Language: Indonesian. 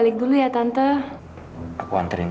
setelah menangkap mereka